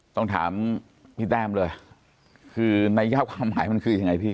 ต้องถามพี่แต้มเลยคือนัยยะความหมายมันคือยังไงพี่